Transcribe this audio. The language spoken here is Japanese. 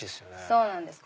そうなんです。